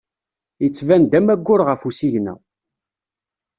Yettban-d am aggur ɣef usigna.